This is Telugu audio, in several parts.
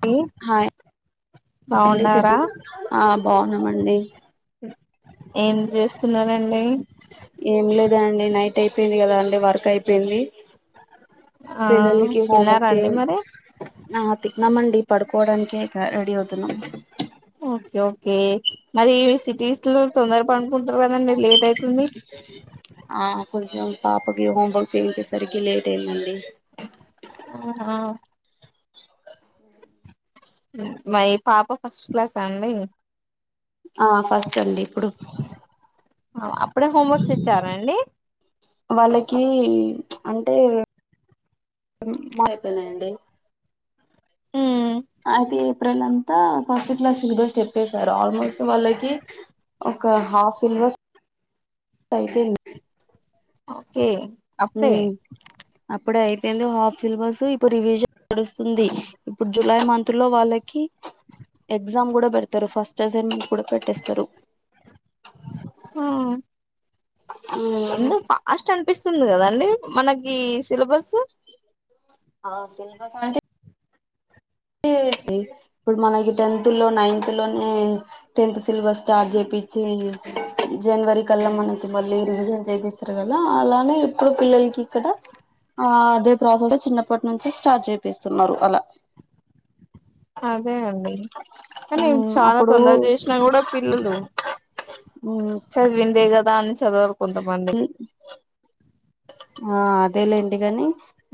టి ఏంటి చెప్పు ఆ బాగున్నామండి ఏం చేస్తున్నరండి ఏం లేదండి నైట్ అయిపోయింది కదా అండి వర్క్ అయిపోయింది. ఆ పిల్లలకి తిన్నారా హోమ్వర్క్ అండి చేయిం మరి ఆ తిన్నామండి పడు కోడానికే ఇక రెడీ అవుతున్నాం. ఓకే ఓకే మరీ సిటీస్ లో తొందర పండుకుంటారు కదండి లేట్ అయితుంది. కొంచం పాపకి హోంవర్క్ చేయించేసరికి లేట్ అయిందండి. ఆహా మయి పాప ఫస్ట్ క్లాసా అండి ఆ ఫస్ట్ అండి ఇప్పుడు ఆ వాళ్ళకీ అంటే మా అయిపోయినయండి ఉమ్, అయితే ఏప్రిల్ అంతా ఫస్ట్ క్లాస్ సెలబస్ చెప్పేసారు ఆల్మోస్ట్ వాళ్లకి ఒక హాఫ్ సిలబస్ అయిపోయింది ఓకే అప్పుడే ఉమ్ అప్పుడే అయిపోయింది హాఫ్ సిలబస్ ఇప్పుడు రివిజన్ నడుస్తుంది, ఇప్పుడు జులై మంత్ లో వాళ్ళకి ఎగ్జామ్ గూడ పెడతరు ఫస్ట్ అసైన్మెంట్ కూడ పెట్టేస్తరు. ఆ ఎందుకు ఫాస్ట్ అని పిస్తుంది కదండి మనకీ సిలబస్ ఆ సిలబస్ అంటే టే ఏంటి ఇప్పుడు మనకి టెన్త్ లో నైన్త్ లోనే టెన్త్ సిలబస్ స్టార్ట్ చేపి చ్చి జనవరి కల్ల మనకు మళ్ళీ రివిజన్ చేపిస్తారు కదా అలానే ఇప్పుడు పిల్ల లకు ఇక్కడ ఆ అదే ప్రాసెస్ చిన్నప్పటి నుంచి స్టార్ట్ చేపిస్తున్నరు అలా అదే అండి కానీ చాలా అప్పుడు తొందర చేసినా కూడా పిల్లలు చదివిందేగ ఆ అదేలేం డి గాని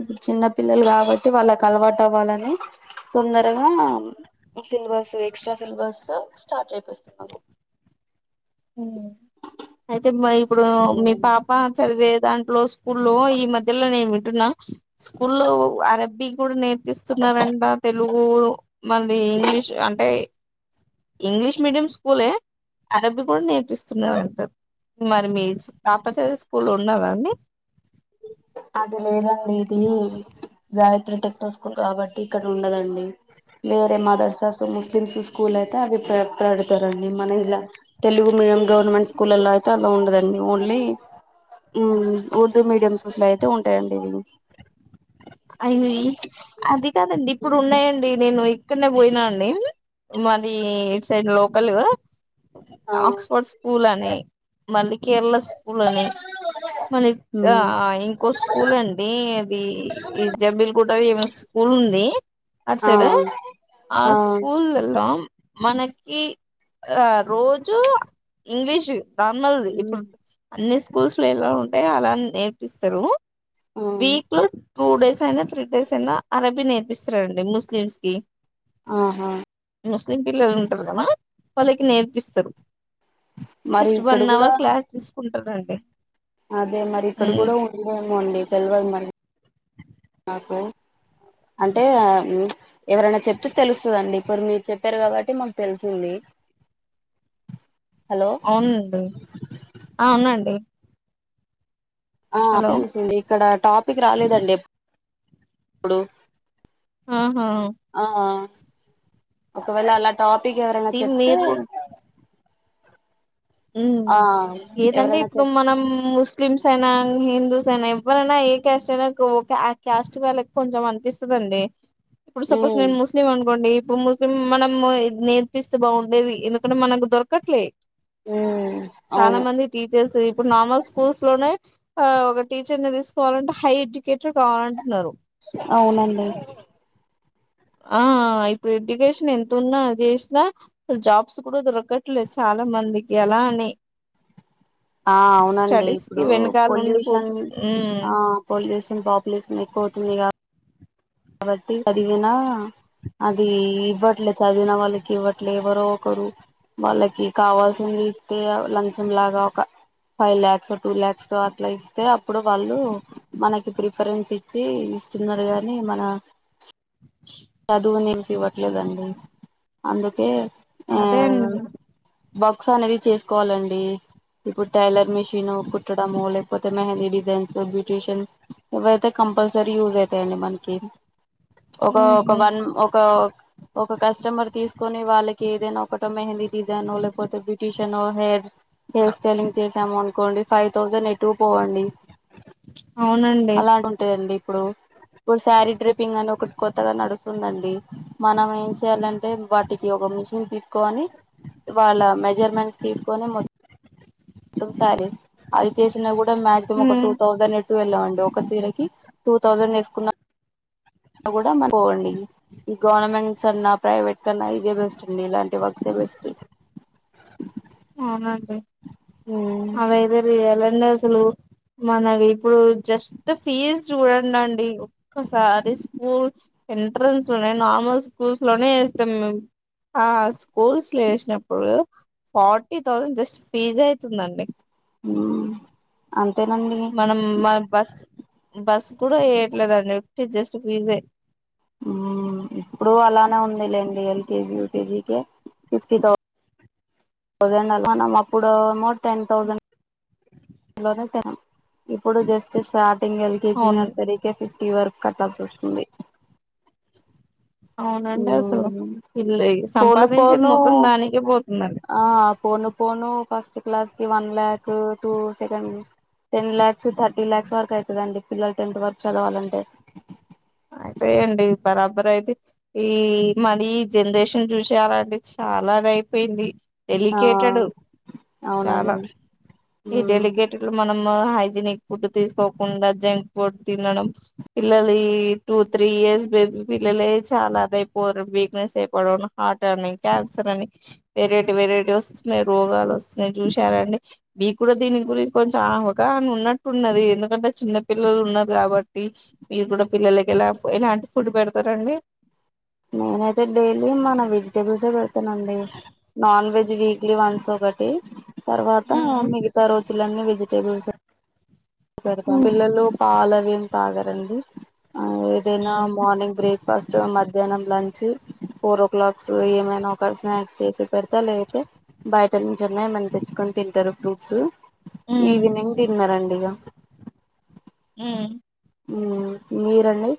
ఇప్పుడు చిన్న పిల్లలు కాబట్టి వాళ్ళకు అలవాటు అవ్వాలని తొందరగా సిలబస్ ఎక్స్ట్రా సిలబస్ స్టార్ట్ చేపిస్తున్నారు. ఉమ్ అయితే ఇప్పుడు మీ పాప చదివే దాంట్లో స్కూల్లో ఈ మధ్యెలా నేను వింటున్నా స్కూల్లో అరబ్బీ కూడా నేర్పిస్తున్నారంట తెలుగు మల్లి ఇంగ్లీష్ అంటే ఇంగ్లీష్ మీడియం స్కూలే అరబ్బిక్ కూడ నేర్పిస్తున్నరంటా మరి మీ పాపచదివే స్కూల్లో ఉన్నదా అండి అది లేదండి ఇది గాయత్రి టెక్నో స్కూల్ కాబట్టి ఇక్కడ ఉండదండి. వేరే మదర్సాస్ ముస్లిమ్స్ స్కూల్ అయితే అవి పె పెడుతారండి మన ఇలా తెలుగు మీ ఏం గవర్నమెంట్ స్కూల్లల్లా అయితే అల ఉండదండి ఓన్లీ ఊ ఓ దు మీడియంస్లల్లయితే ఉంటాయండి ఇ అయి అది కాదండి ఇప్పుడు ఉన్నయండి, నేను ఇక్కడ్నె పోయినా అండి మాది ఇట్ సైడ్ లోకల్ ఆక్స్ఫర్డ్ స్కూల్ అని, మళ్ళీ కేరళ స్కూల్ అని మలి తా ఇంకో స్కూల్ అండీ అదీ ఈ జబ్బీల్ గూడది ఏమో స్కూల్ ఉంది అటు ఆ సైడ్ ఆ స్కూలల్ల మనకీ ఆ రోజు ఇంగ్లీషు నార్మల్ ది ఇప్పుడు అన్ని స్కూల్స్ లో ఎలా ఉంటయో అలా నేర్పిస్తరూ. ఆ వీక్లో టూ డేస్ అయినా, త్రీ డేస్ అయినా అరబీ నేర్పిస్తరండి ముస్లిమ్స్ కి ఆహా ముస్లిం పిల్లలుంటరు గదా వాళ్ళకి నేర్పిస్తరు మరి సిస్ట్ ఇక్కడ వన్ కూడా అవర్ క్లాస్ తీసుకుంటరండి అదే మరి ఇక్కడ గుడ ఉందేమో అండి తెలవదు మరి. కు అంటే ఆ మ్ ఎవరన్న చెప్తే తెలుస్తదండి ఇప్పుడ్ మీర్ చెప్పారు కాబట్టి మాకు తెలిసింది హలో అవునండి, ఆ వునండి ఆ తెలిసింది ఇక్కడ టాపిక్ రాలేదండెప్ ప్పుడు ఆహా ఆహా ఒకవేళ అలా టాపిక్ ఎవరన్న ది చెప్తే మీరు ఉమ్ ఆ హ్ ఏదంటే ఎవరైనా ఇప్పుడు చెప్ మనం ముస్లిమ్స్ అయినా, హిందూస్ అయినా ఎ వ్వరన్న ఏ క్యాస్ట్ అయిన ఓ క్ ఆ క్యాస్ట్ వాళ్ళకి కొంచెం అనిపిస్తదండి ఇప్పుడు సపోస్ మ్మ్ నేన్ ముస్లిం అనుకోండి ఇప్పుడు ముస్లిం మనం నేర్పిస్తే బావుండేది ఎందుకంటే మనకు దొరకట్లే మ్మ్ చాలా అవును మంది టీచర్స్ ఇప్పుడు నార్మల్ స్కూల్స్ లోనే ఆ ఒక టీచర్ ని దీసుకోవాలంటే హై ఎడ్యుకేటెడ్ కావాలంటున్నరు అవునండి ఆ ఇప్పుడు ఎడ్యుకేషన్ ఎంతున్నా జేసిన జాబ్స్ కూడ దొరకట్లే చాలా మందిక్ ఎలా అండి ఆ అవునండి ఇప్పుడూ పొల్యూషన్ ఉండిపోతు ఉమ్ ఆ పొల్యూషన్ పాపులేషన్ ఎక్ పోతుందిగా బట్టి చదివినా అదీ ఇవ్వట్లే చదివిన వాళ్ళకి ఇవ్వట్లే ఎవరోకరు వాళ్ళకి కావాల్సింది ఇస్తే ఆ లంచం లాగా ఒక ఫైవ్ లాక్స్, టూ లాక్సో అట్ల ఇస్తే అప్పుడు వాళ్ళూ మనకి ప్రిఫరెన్స్ ఇచ్చి స్తున్నరు గాని మన చదువున్జూసి ఇవ్వట్లేదండి అందుకే అదే అండి వక్స్ అనేది చేసుకోవాలండి ఇప్పుడు టైలర్ మిషినూ కుట్టడము లేక్పోతే మెహందీ డిజైన్స్ బ్యూటీషియన్ ఇవైతే కం కంపల్సరీ యూజ్ అయితయండి మన్కి, ఒక ఒక ఉహు వన్ ఒకా ఒక కస్టమర్ తీసుకొని వాళ్ళకి ఏదైనా ఒకటో మెహందీ డిజైనో లేక్పోతే బ్యూటీషనో హేర్ హేర్ స్టైలింగ్ చేసామనుకోండి ఫైవ్ థౌజండ్ ఎటూ పోవండి. అవునండి అలాగుంటంయండి ప్పుడు ఇప్పుడు సారీ డ్రెపింగ్ అని ఒకటి కొత్తగా నడుస్ స్తుందండి మనం ఏం చెయ్యాలంటే వాటికి ఒక మిషిన్ తీసుకోని వాళ్ళ మెజర్మెంట్స్ తీసుకొని మొత్ మొసారి అది చేసినా కూడా మాక్సిమం ఒక ఉమ్ టూ థౌసండ్ టటు వెళ్ళమండి ఒక చీరకి టూ థౌజండ్ ఏసుకున్న గుడ మ పోవండి ఈ గవర్నమెంట్స్ అన్నా ప్రైవేట్ కన్నా ఇదే బెస్ట్ అండి ఇలాంటి వర్క్సే బెస్ట్ అవునండి అదైతేరి ఎలడి అసలు మన ఇప్పుడు జస్ట్ ఫీజు చూడండి అండి ఒక్కసారి స్కూల్ ఎంట్రన్స్ లోనే నార్మల్ స్కూల్స్ లోనే స్తాం మేము ఆ స్కూల్స్ ల ఏసినప్పుడు ఫార్టీ థౌజండ్ జస్ట్ ఫీజ్ అవుతుందండి మ్మ్ అంతేనండి మనం మన బస్ బస్ కూడా ఎయట్లేదండి ఉట్టి జస్ట్ ఫిజే ఉ ఇప్పుడు అలానే ఉంది లేండి ఎల్కేజీ ూకేజీ క ఫిఫ్టీ తౌసంద్ థౌజండ్ అలానేమో అప్పుడేమో టెన్ థౌజండ్ లోనే తినం ఇప్పుడు జస్ట్ స్టా టి ఎల్కేజీ అవును నర్సరీకే ఫిఫ్టీ వరకు కట్టాల్సి వస్తుంది అవునండి అసలు మ్మ్ ఈల్లు పోను సంపాదించింది పోను మొత్తం దానికే పోతుందండి ఫోను ఫస్ట్ క్లాస్ కీ one lakh two second ten lakhs thirty lakhs వరకు అయితదండి పిల్లలు టెన్త్ వరకు చదవాలంటే అయి అదే అండి బరాబర్ అయితే ఈ మరి జనరేషన్ చూసి అలా అండి చాలాదై అయిపోయింది ఆ డెలికేటెడ్ చాలా అవునండి ఈ ఉమ్ డెలికేటెడ్ లో మనం హైజనిక్ ఫుడ్ తీసుకోకుండా జంక్ ఫుడ్ తినడం పిల్లలి టూ త్రీ ఇయర్స్ బేబీ పిల్లలే చాలా అదైపోయిం వీక్నెస్ అయిపోడ హార్ కానీ క్యాన్సర్ అని వెరైటీ వెరైటీ వస్తున్నాయి రోగాలు వస్తున్నాయి చూసారండి మీ కూడా దీని గురించి కొంచెం అవగా నో ఉన్నట్టున్నది ఎందుకంటే చిన్న పిల్లలు ఉన్నారు కాబట్టి మీరు కూడా పిల్లల కి ఎలా పోయిన ఫుడ్ పెడతారండి నేనైతే డైలీ మన వెజిటేబుల్స్ పెడతానండి నాన్ వెజ్ వీక్లీ వన్స్ ఒకటి తర్వాత మిగతా రోజులన్నీ వెజిటేబుల్స్ పెడతాం పిల్లలు పాలు అవేం తాగరండి ఆ ఏదైనా మార్నింగ్ బ్రేక్ ఫాస్ట్ మధ్య మధ్యాహ్నం లంచ్ ఫోర్ ఓ క్లాక్ ఏమైనా ఒక స్నాక్స్ చేసి పెడతా లేపొతే బయట నుంచి అన్నా ఏమైన్నా తెచ్చుకొని తింటారు ఫ్రూట్స్ ఈవినింగ్ డిన్నర్ అండి ఇగ మ్ మ్మ్ మీరండి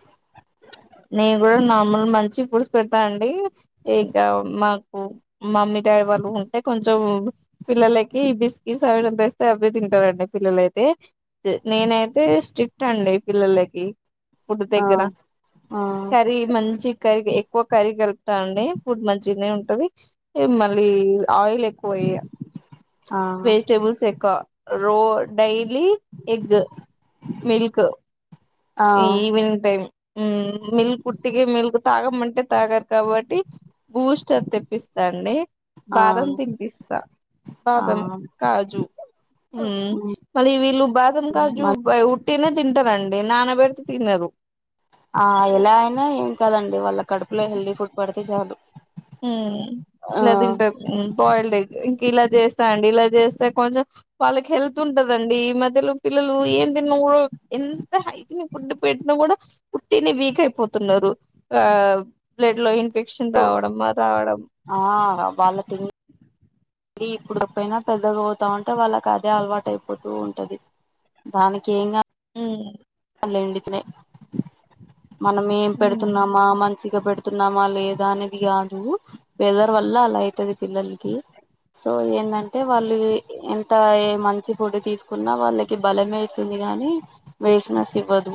నేను కూడా నార్మల్ మంచి ఫుడ్స్ పెడతా అండి ఇక మాకు మమ్మీ డ్రైవర్లు ఉంటే కొంచెము పిల్లలకి బిస్కట్స్ అవి తెస్తే అవి తింటారండి పిల్లలయితే తే నేనైతే స్ట్రిక్ట్ అండి పిల్లలకి ఫుడ్ ఆ దగ్గర ఆ కర్రీ మంచి కర్రీ ఎక్కువ కర్రీ కలుపుతా అండి ఫుడ్ మంచినే ఉంటది మళ్లీ ఆయిల్ ఎక్కువ ఆ వెజిటబుల్స్ ఎక్కువ రో డైలీ ఎగ్ మిల్క్ ఆ ఈ ఈవినింగ్ టైం హు మిల్క్ ఉట్టిగ మిల్గు తాగమంటే తాగారు కాబట్టి బూస్ట్ తెప్పిస్తాండి ఆ బాదం తినిపిస్తా ఆ బాదం కాజు హ్మ్ మళ్లీ వీళ్లు బాదం కాజు మ ఉట్టిగానే తిం తింటారండి నాన్న పెడితే తినరు ఆ ఎలా అయినా ఏం కాదండి వాళ్ల కడుపులో హెల్దీ ఫుడ్ పడితే చాలు హ్మ్ ఆ ఇట్లనే తింటారు బాయిల్డ్ ఎగ్ ఇంక ఇలా చేస్తా అండి ఇలా చేస్తే కొంచెం వాళ్ళకి హెల్త్ ఉంటదండి ఈ మధ్యలో పిల్లలు ఏం నేను ఎంత హైజినిక్ ఫుడ్డు పెట్టినా కూడా వుట్టినే వీక్ అయిపోతున్నారు అ ఆ బ్లడ్ లో ఇన్ఫెక్షన్ రావడం అది రావడం ఆ వాళ్ల తిండి ఇది ఇప్పుడు కాకపోయినా పెద్దగా అవుతా ఉంటే వాళ్లకి అదే అలవాటయిపోతూ ఉంటది దానికి ఏం కా ఉమ్ లేదండి టిఫినే మనం ఏం ఉమ్ పెడుతున్నామా మంత్ చిగ పెడుతున్నామా లేదా అనేది కాదు వెదర్ వల్ల అలా అయితది పిల్లలకి సో ఏందంటే వాళ్లు ఎంత మంచి ఫుడ్ తీసుకున్నా వాళ్లకి బలమే ఇస్తుంది కాని లేసినెస్ ఇవ్వదు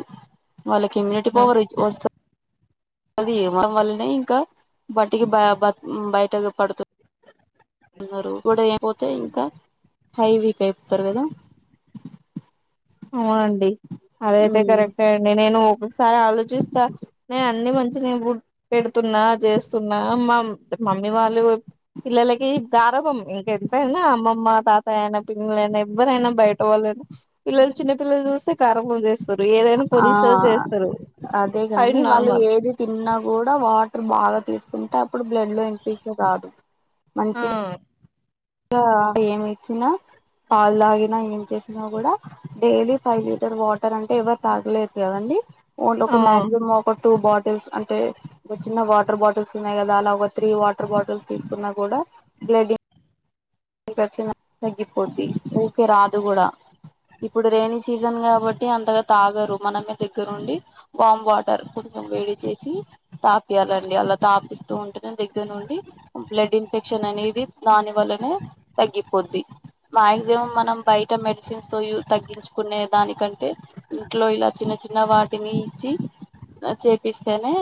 వాళ్లకి ఇమ్యూనిటీ పవర్ వస్తది అది ఇవ్వడం వల్లనే ఇంకా బటికి బ బయట పడుతు ఇంకా హై వీక్ అయిపోతారు కదా అవునండి అదయితే కరెక్టే అండి నేను ఒకసారి ఆలోచిస్తా నేను అన్ని మంచినే ఫుడ్ పెడుతున్నా చేస్తున్నా మా మమ్మీ వాళ్లు పిల్లలకి గారభం ఇంకెంతైనా అమ్మ అమ్మ తాతయయినా పిల్లైనా ఎవ్వరైనా బయట వాళ్ళునా పిల్లలు చిన్న పిల్లలు చూస్త కారపుం చేస్త ఆ అదే అది కాని వాళ్ళు నార్మల్ ఏది తిన్నా కూడా వాట్ ఇప్పుడు బాగా తీసుకుంటే అప్పుడు బ్లడ్ లో ఇన్ఫెక్షన్ రాదు ఆ మంచిగా ఇగ ఏమి ఇచ్చినా పాలు తాగినా ఏం చేసినా కూడా డైలీ ఫైవ్ లీటర్ వాటర్ అంటే ఎవరు తాగలేరు కదండి ఓన్ లో ఆ ఒక మాక్సిమమ్ ఒక టూ బా టిల్స్ అంటే ఒక చిన్న వాటర్ బాటిల్స్ ఉన్నాయి కదా అలా ఒక త్రీ వాటర్ బాటిల్స్ తీసుకున్నా కూడా ్లాడ అచ్చిన తగ్గిపోతి ఊకే రాదు కూడా ఇప్పుడు రెైని సీజన్ కాబట్టి అంతగా తాగరు మనమే దగ్గరుండి వామ్ వాటర్ వేడి చేసి తాపియాలండి అలా తాపిస్తూ ఉంటేనే దగ్గర నుండి బ్లడ్ ఇన్ఫెక్షన్ నేను ఇది దాని వల్లనే తగ్గిపోద్ది మ్యాగ్జిమం మనం బయట మెడిసిన్స్ తో తగ్గించుకునే దానికంటే ఇంట్లో ఇలా చిన్న చిన్న వాటిని ఇచ్చి చేపిస్తేనే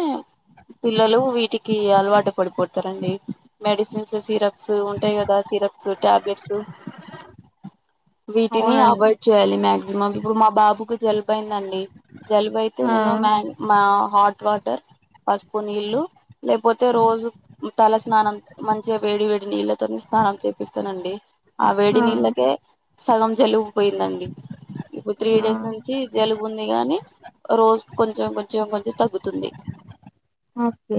పిల్లలు వీటికి అలవాటు పడిపోతారండి మెడిసిన్స్ సిరప్స్ ఉంటాయి కదా సిరప్స్ టాబ్లేట్స్ వీటిని అవునండి అవాయిడ్ చేయ్యాలి మాక్సిమం ఇప్పుడు మా బాబుకు జలుబైందండి జలుబైతే ఆ నేను మ్యాంగ్ మా హాట్ వాటర్ పసుపు నీళ్లు లేకపోతే రోజు తల స్నానం మంచిగా వేడి వేడి నీళ్ళతో స్నానం చే పిస్తానండి ఆ వేడి నీళ్ళకే సగం జలుబుపోయిందండి ఇప్పుడు త్రీ ఆ డేస్ నుంచి జలుబు ఉంది గాని రోజు కొంచెం కొంచెం కొంచెం తగ్గుతుంది ఓకే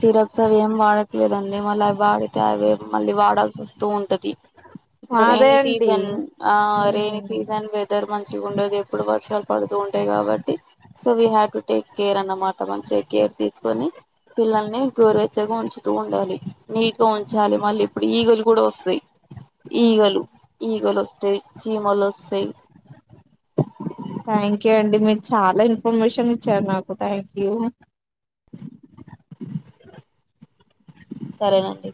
సిరప్ సలు ఏం వాడట్లేదండి మళ్ళీ అవి వాడితే అవి మళ్ళీ వాడాల్సి వస్తూ ఉంటది ఇప్పుడు అదే రైనీ అండి సీజన్ ఆ రైనీ సీజన్ వెదర్ మంచి మంచిగాఉండదు ఎప్పుడు వర్షాలు పడుతూ ఉంటాయి కాబట్టి so we have to take care అన్నమాట మంచిగా కేర్ తీసుకొని పిల్లల్ని గోరువెచ్చగా ఉంచుతూ ఉండాలి నీట్ గా ఉంచాలి మళ్ళీ ఇప్పుడు ఈగలు కూడా వస్తాయి ఉ ఉ ఈగలు ఈగలు వస్తాయి చీమలు వస్తాయి థాంక్యూ యూ అండి మీరు చాలా ఇన్ఫర్మేషన్ ఇచ్చారు నాకు థాం యు సరేనండి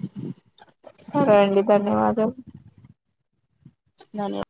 డౌ నన్యూ